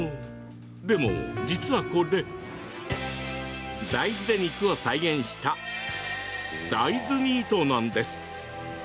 でも、実はこれ大豆で肉を再現した大豆ミートなんです。